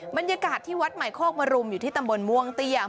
บรรยากาศที่วัดใหม่โคกมรุมอยู่ที่ตำบลม่วงเตี้ยม